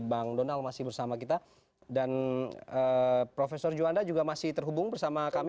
bang donald masih bersama kita dan profesor juanda juga masih terhubung bersama kami